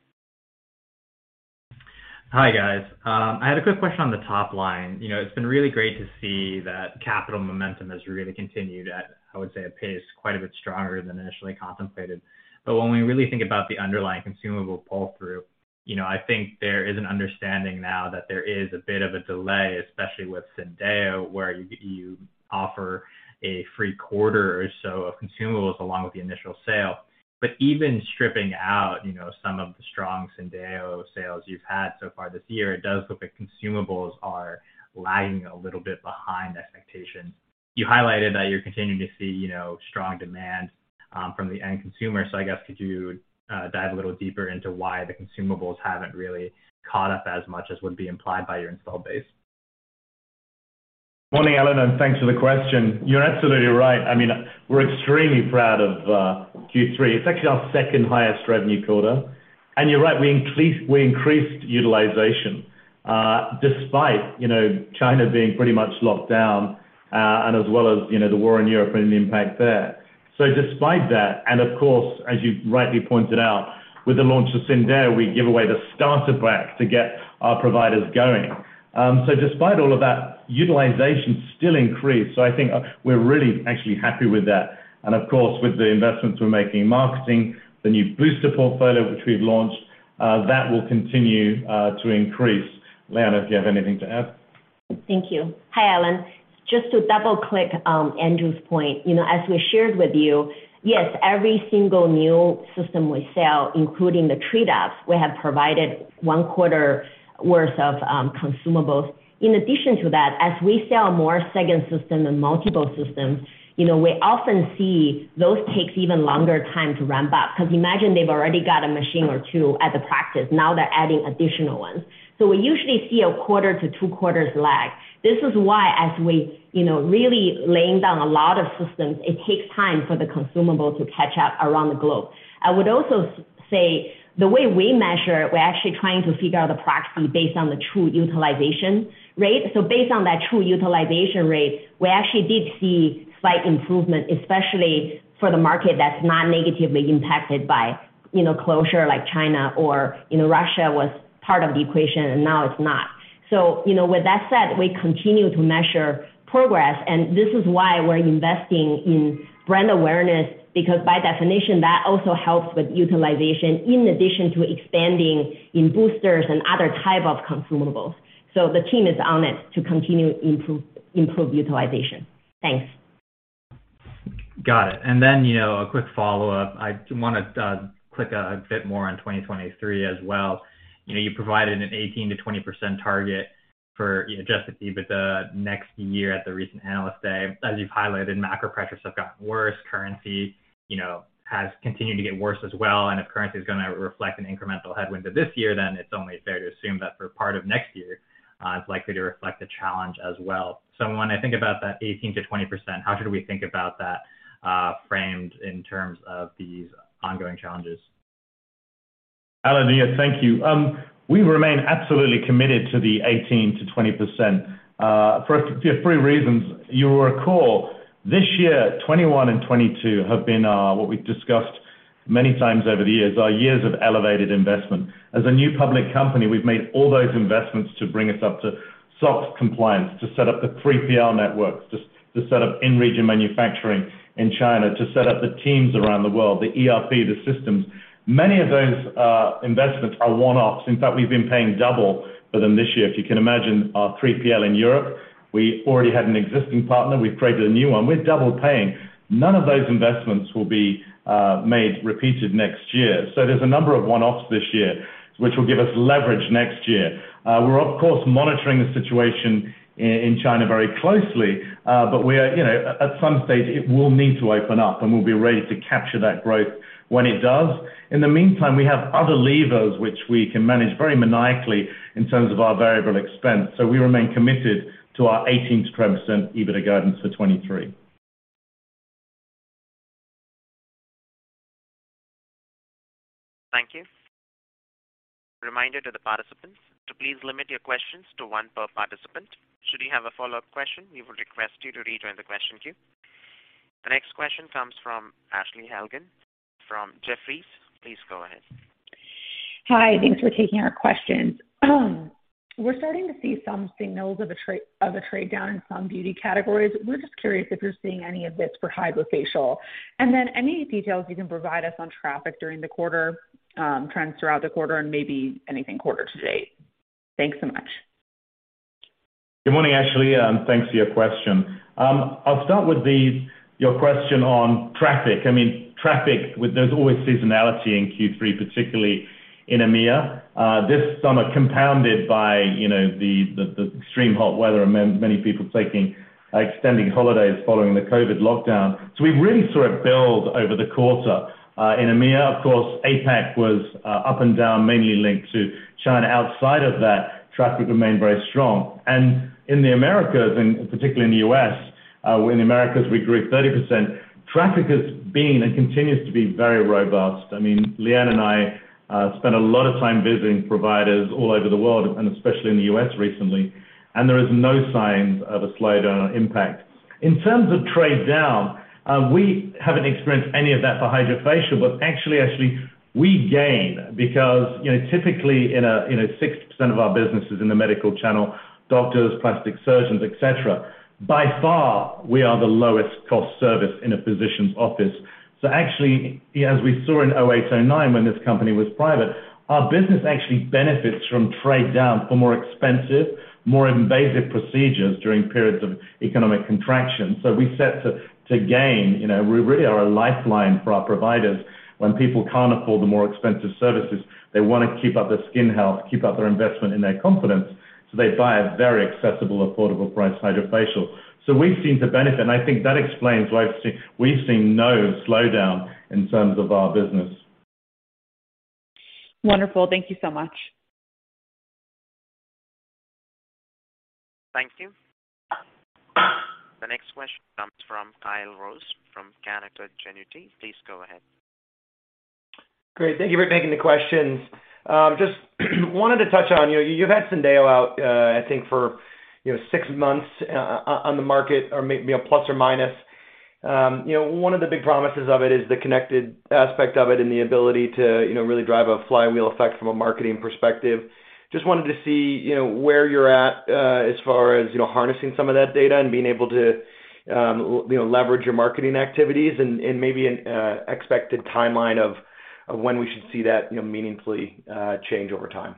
Hi, guys. I had a quick question on the top line. You know, it's been really great to see that capital momentum has really continued at, I would say, a pace quite a bit stronger than initially contemplated. When we really think about the underlying consumable pull-through, you know, I think there is an understanding now that there is a bit of a delay, especially with Syndeo, where you offer a free quarter or so of consumables along with the initial sale. Even stripping out, you know, some of the strong Syndeo sales you've had so far this year, it does look like consumables are lagging a little bit behind expectations. You highlighted that you're continuing to see, you know, strong demand from the end consumer. I guess, could you dive a little deeper into why the consumables haven't really caught up as much as would be implied by your install base? Morning, Allen, and thanks for the question. You're absolutely right. I mean, we're extremely proud of Q3. It's actually our second-highest revenue quarter. You're right, we increased utilization despite you know, China being pretty much locked down and as well as you know, the war in Europe and the impact there. Despite that, and of course, as you rightly pointed out, with the launch of Syndeo, we give away the starter pack to get our providers going. Despite all of that, utilization still increased. I think we're really actually happy with that. Of course, with the investments we're making in marketing, the new booster portfolio which we've launched, that will continue to increase. Liyuan, if you have anything to add. Thank you. Hi, Allen. Just to double-click on Andrew's point. You know, as we shared with you, yes, every single new system we sell, including the Treat apps, we have provided one quarter worth of consumables. In addition to that, as we sell more second system and multiple systems, you know, we often see those takes even longer time to ramp up. 'Cause imagine they've already got a machine or two at the practice, now they're adding additional ones. We usually see a quarter to two quarters lag. This is why as we, you know, really laying down a lot of systems, it takes time for the consumable to catch up around the globe. I would also say the way we measure, we're actually trying to figure out the practice based on the true utilization rate. Based on that true utilization rate, we actually did see slight improvement, especially for the market that's not negatively impacted by, you know, closure like China or, you know, Russia was part of the equation and now it's not. You know, with that said, we continue to measure progress, and this is why we're investing in brand awareness, because by definition, that also helps with utilization in addition to expanding in boosters and other type of consumables. The team is on it to continue to improve utilization. Thanks. Got it. You know, a quick follow-up. I want to click a bit more on 2023 as well. You know, you provided an 18%-20% target for, you know, adjusted EBITDA next year at the recent analyst day. As you've highlighted, macro pressures have gotten worse. Currency, you know, has continued to get worse as well. If currency is gonna reflect an incremental headwind to this year, then it's only fair to assume that for part of next year, it's likely to reflect the challenge as well. When I think about that 18%-20%, how should we think about that framed in terms of these ongoing challenges? Alan, yeah, thank you. We remain absolutely committed to the 18%-20% for a few reasons. You will recall this year, 2021 and 2022 have been our, what we've discussed many times over the years, our years of elevated investment. As a new public company, we've made all those investments to bring us up to SOX compliance, to set up the 3PL networks, to set up in-region manufacturing in China, to set up the teams around the world, the ERP, the systems. Many of those investments are one-offs. In fact, we've been paying double for them this year. If you can imagine our 3PL in Europe, we already had an existing partner. We've created a new one. We're double paying. None of those investments will be repeated next year. There's a number of one-offs this year which will give us leverage next year. We're of course monitoring the situation in China very closely, but we are, you know, at some stage it will need to open up, and we'll be ready to capture that growth when it does. In the meantime, we have other levers which we can manage very maniacally in terms of our variable expense. We remain committed to our 18% EBITDA guidance for 2023. Thank you. Reminder to the participants to please limit your questions to one per participant. Should you have a follow-up question, we will request you to rejoin the question queue. The next question comes from Ashley Helgans from Jefferies. Please go ahead. Hi. Thanks for taking our questions. We're starting to see some signals of a trade down in some beauty categories. We're just curious if you're seeing any of this for HydraFacial. Then any details you can provide us on traffic during the quarter, trends throughout the quarter and maybe anything quarter to date. Thanks so much. Good morning, Ashley, and thanks for your question. I'll start with your question on traffic. I mean, traffic, there's always seasonality in Q3, particularly in EMEA. This summer compounded by, you know, the extreme hot weather and many people taking extended holidays following the COVID lockdown. We really saw it build over the quarter in EMEA. Of course, APAC was up and down, mainly linked to China. Outside of that, traffic remained very strong. In the Americas, particularly in the US, we grew 30%. Traffic has been and continues to be very robust. I mean, Liyuan Woo and I spent a lot of time visiting providers all over the world, and especially in the US recently, and there is no signs of a slowdown or impact. In terms of trade down, we haven't experienced any of that for HydraFacial, but actually, Ashley, we gain because, you know, typically 60% of our business is in the medical channel, doctors, plastic surgeons, et cetera. By far, we are the lowest cost service in a physician's office. Actually, as we saw in 2008, 2009, when this company was private, our business actually benefits from trade down for more expensive, more invasive procedures during periods of economic contraction. We set to gain. You know, we really are a lifeline for our providers. When people can't afford the more expensive services, they wanna keep up their skin health, keep up their investment and their confidence, so they buy a very accessible, affordable priced HydraFacial. We seem to benefit, and I think that explains why we've seen no slowdown in terms of our business. Wonderful. Thank you so much. Thank you. The next question comes from Kyle Rose from Canaccord Genuity. Please go ahead. Great. Thank you for taking the questions. Just wanted to touch on, you know, you've had Syndeo out, I think for, you know, 6 months, on the market or maybe, you know, plus or minus. You know, one of the big promises of it is the connected aspect of it and the ability to, you know, really drive a flywheel effect from a marketing perspective. Just wanted to see, you know, where you're at, as far as, you know, harnessing some of that data and being able to, you know, leverage your marketing activities and maybe an expected timeline of when we should see that, you know, meaningfully change over time.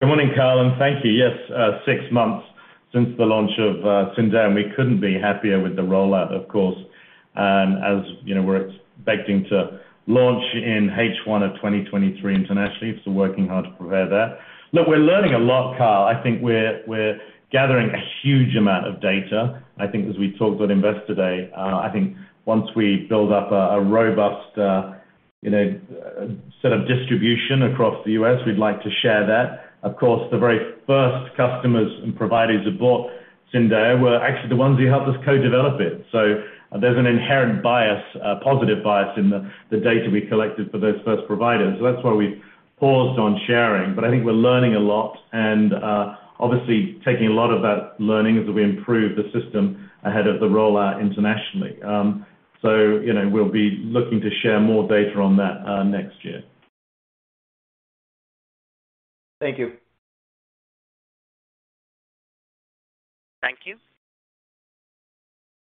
Good morning, Kyle, and thank you. Yes, six months since the launch of Syndeo, and we couldn't be happier with the rollout, of course. As you know, we're expecting to launch in H1 of 2023 internationally, so working hard to prepare that. Look, we're learning a lot, Kyle. I think we're gathering a huge amount of data. I think as we talked with Investor Day, I think once we build up a robust, you know, set of distribution across the U.S., we'd like to share that. Of course, the very first customers and providers who bought Syndeo were actually the ones who helped us co-develop it. There's an inherent bias, a positive bias in the data we collected for those first providers. That's why we paused on sharing. I think we're learning a lot and, obviously taking a lot of that learning as we improve the system ahead of the rollout internationally. You know, we'll be looking to share more data on that, next year. Thank you. Thank you.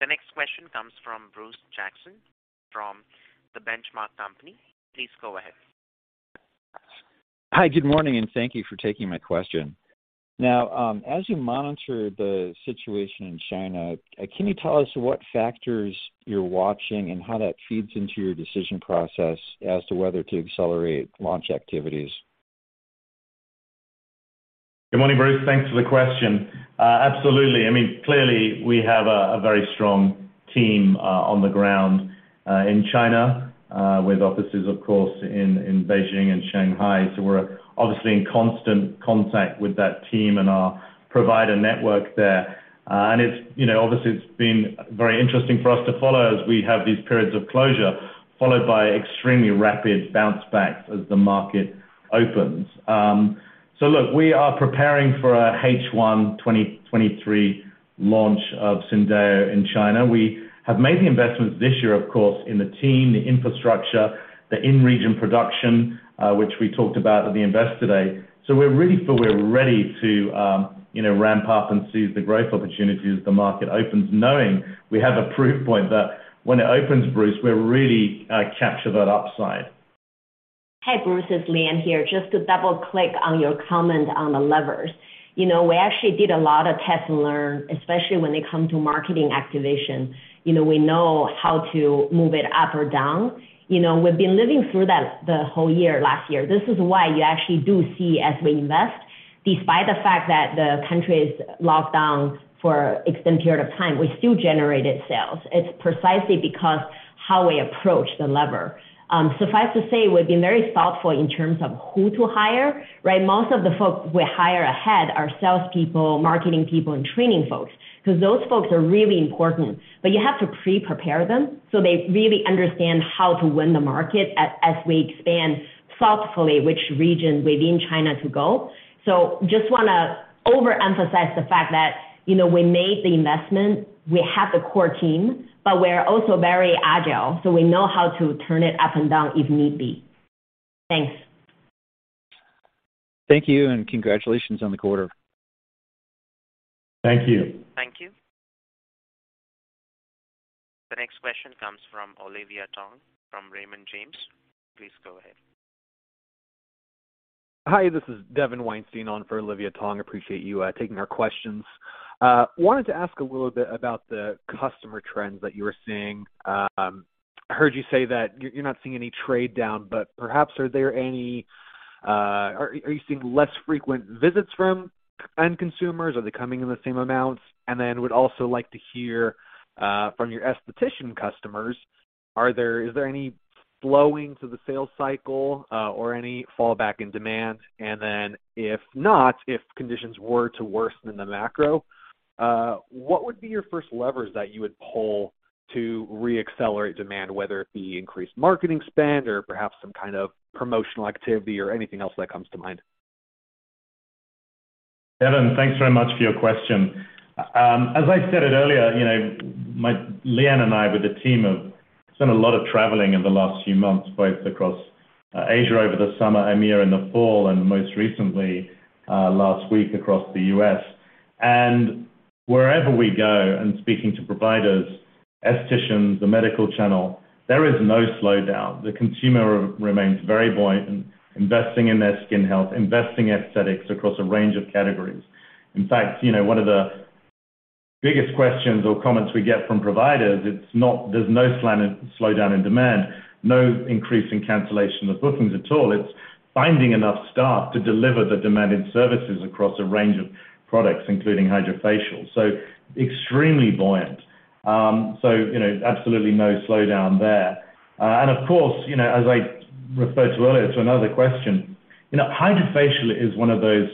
The next question comes from Bruce Jackson from The Benchmark Company. Please go ahead. Hi, good morning, and thank you for taking my question. Now, as you monitor the situation in China, can you tell us what factors you're watching and how that feeds into your decision process as to whether to accelerate launch activities? Good morning, Bruce. Thanks for the question. Absolutely. I mean, clearly we have a very strong team on the ground in China with offices of course in Beijing and Shanghai. So we're obviously in constant contact with that team and our provider network there. And it's, you know, obviously it's been very interesting for us to follow as we have these periods of closure, followed by extremely rapid bounce backs as the market opens. So look, we are preparing for a H1 2023 launch of Syndeo in China. We have made the investments this year, of course, in the team, the infrastructure, the in-region production, which we talked about at the Investor Day. We really feel we're ready to, you know, ramp up and seize the growth opportunities as the market opens, knowing we have a proof point that when it opens, Bruce, we'll really capture that upside. Hey, Bruce, it's Liyuan Woo here. Just to double click on your comment on the levers. You know, we actually did a lot of test and learn, especially when it come to marketing activation. You know, we know how to move it up or down. You know, we've been living through that the whole year last year. This is why you actually do see as we invest, despite the fact that the country is locked down for extended period of time, we still generated sales. It's precisely because how we approach the lever. Suffice to say, we've been very thoughtful in terms of who to hire, right? Most of the folks we hire ahead are salespeople, marketing people, and training folks, 'cause those folks are really important. You have to prepare them so they really understand how to win the market as we expand thoughtfully which regions within China to go. Just wanna overemphasize the fact that, you know, we made the investment, we have the core team, but we're also very agile, so we know how to turn it up and down if need be. Thanks. Thank you, and congratulations on the quarter. Thank you. Thank you. The next question comes from Olivia Tong, from Raymond James. Please go ahead. Hi, this is Devin Weinstein on for Olivia Tong. Appreciate you taking our questions. Wanted to ask a little bit about the customer trends that you were seeing. I heard you say that you're not seeing any trade down, but perhaps are there any. Are you seeing less frequent visits from end consumers? Are they coming in the same amounts? And then would also like to hear from your esthetician customers, is there any slowing to the sales cycle or any fallback in demand? And then if not, if conditions were to worsen the macro, what would be your first levers that you would pull to re-accelerate demand, whether it be increased marketing spend or perhaps some kind of promotional activity or anything else that comes to mind? Devin, thanks very much for your question. As I said it earlier, you know, Leon and I with the team have spent a lot of traveling in the last few months, both across Asia over the summer, EMEA in the fall, and most recently last week across the U.S. Wherever we go and speaking to providers, estheticians, the medical channel, there is no slowdown. The consumer remains very buoyant in investing in their skin health, investing in aesthetics across a range of categories. In fact, you know, one of the biggest questions or comments we get from providers, it's not there's no slowdown in demand, no increase in cancellation of bookings at all. It's finding enough staff to deliver the demanded services across a range of products, including HydraFacial. Extremely buoyant. You know, absolutely no slowdown there. Of course, you know, as I referred to earlier to another question, you know, HydraFacial is one of those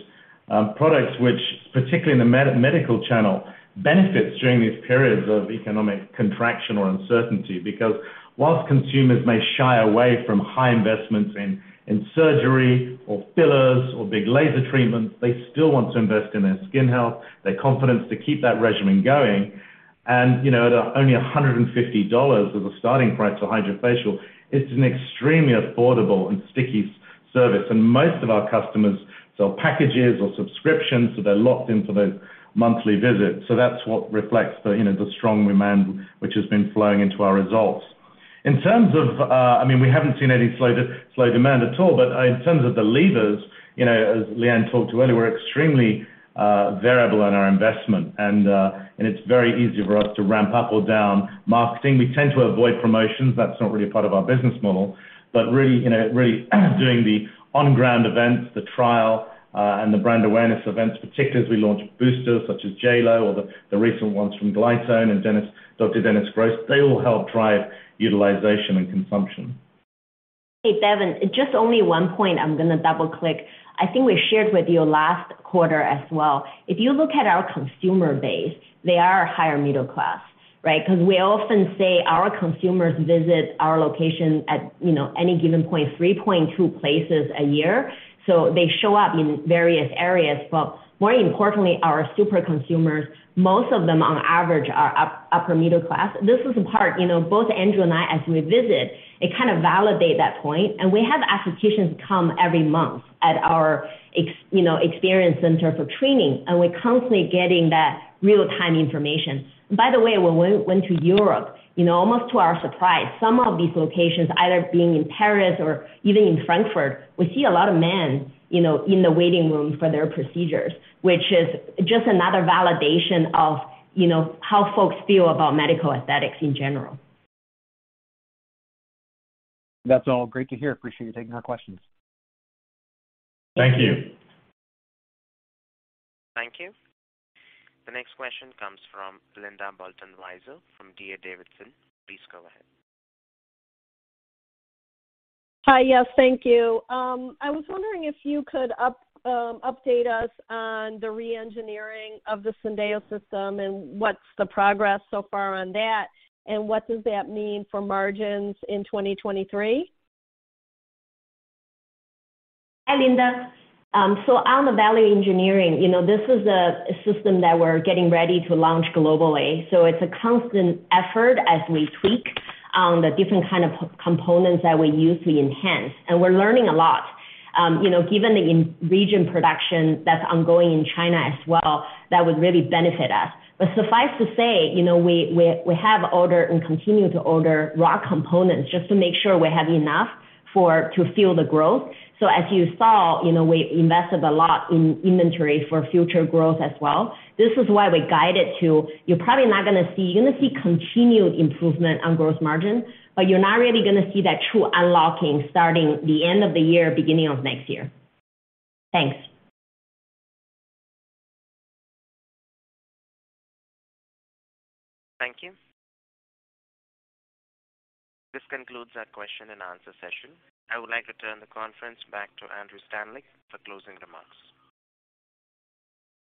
products which, particularly in the medical channel, benefits during these periods of economic contraction or uncertainty. Because while consumers may shy away from high investments in surgery or fillers or big laser treatments, they still want to invest in their skin health, their confidence to keep that regimen going. You know, at only $150 as a starting price for HydraFacial, it's an extremely affordable and sticky service. Most of our customers sell packages or subscriptions, so they're locked into those monthly visits. That's what reflects the, you know, the strong demand which has been flowing into our results. In terms of, I mean, we haven't seen any slowdown in demand at all, but in terms of the levers, you know, as Leon talked to earlier, we're extremely variable in our investment and it's very easy for us to ramp up or down marketing. We tend to avoid promotions. That's not really a part of our business model. But really, you know, really doing the on-ground events, the trial, and the brand awareness events, particularly as we launch boosters such as JLo or the recent ones from Glytone and Dr. Dennis Gross, they all help drive utilization and consumption. Hey, Devin, just only one point I'm gonna double click. I think we shared with you last quarter as well. If you look at our consumer base, they are higher middle class, right? 'Cause we often say our consumers visit our location at, you know, any given point 3.2 places a year. So they show up in various areas. But more importantly, our super consumers, most of them on average are upper middle class. This is the part, you know, both Andrew and I, as we visit, it kinda validate that point. We have estheticians come every month at our experience center for training, and we're constantly getting that real-time information. By the way, when we went to Europe, you know, almost to our surprise, some of these locations, either being in Paris or even in Frankfurt, we see a lot of men, you know, in the waiting room for their procedures, which is just another validation of, you know, how folks feel about medical aesthetics in general. That's all. Great to hear. Appreciate you taking our questions. Thank you. Thank you. The next question comes from Linda Bolton-Weiser from D.A. Davidson. Please go ahead. Hi. Yes, thank you. I was wondering if you could update us on the reengineering of the Syndeo system and what's the progress so far on that, and what does that mean for margins in 2023? Hi, Linda. On the value engineering, you know, this is a system that we're getting ready to launch globally. It's a constant effort as we tweak the different kind of components that we use to enhance. We're learning a lot, you know, given the regional production that's ongoing in China as well, that would really benefit us. Suffice to say, you know, we have ordered and continue to order raw components just to make sure we have enough to fuel the growth. As you saw, you know, we invested a lot in inventory for future growth as well. This is why we guided to, you're probably not gonna see—you're gonna see continued improvement on gross margin, but you're not really gonna see that true unlocking starting the end of the year, beginning of next year. Thanks. Thank you. This concludes our question and answer session. I would like to turn the conference back to Andrew Stanleick for closing remarks.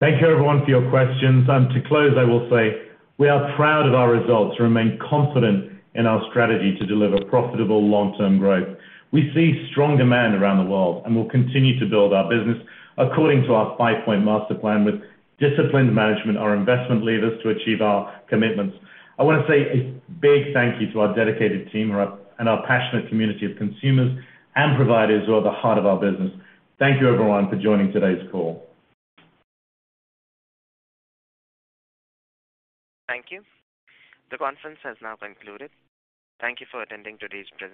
Thank you everyone for your questions. To close, I will say we are proud of our results and remain confident in our strategy to deliver profitable long-term growth. We see strong demand around the world, and we'll continue to build our business according to our five-point master plan with disciplined management, our investment leaders, to achieve our commitments. I wanna say a big thank you to our dedicated team, and our passionate community of consumers and providers who are the heart of our business. Thank you everyone for joining today's call. Thank you. The conference has now concluded. Thank you for attending today's presentation.